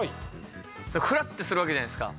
ふらってするわけじゃないですか。